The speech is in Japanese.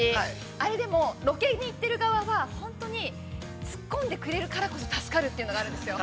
あれ、でも、ロケに行ってる側は本当に、ツッコんでくれるからこそ助かるというのがあるんですよ。